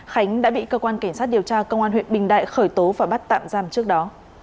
khánh đã bị cơ quan cảnh sát điều tra công an huyện bình đại khởi tố và bắt tạm giam trước đó